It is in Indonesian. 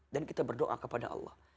dan kita berdoa kepada allah